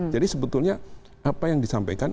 jadi sebetulnya apa yang disampaikan